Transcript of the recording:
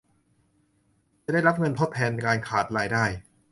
จะได้รับเงินทดแทนการขาดรายได้